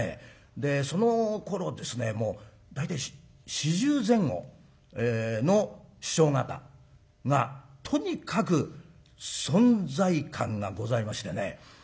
でそのころですねもう大体四十前後の師匠方がとにかく存在感がございましてね。